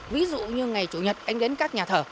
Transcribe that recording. ví dụ như ngày chủ nhật anh đến các nhà thờ